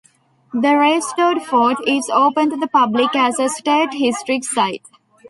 The restored fort is open to the public as a state historic site.